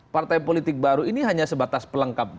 partai politik baru ini hanya sebatas pelengkap